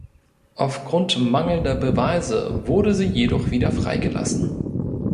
Aufgrund mangelnder Beweise wurde sie jedoch wieder freigelassen.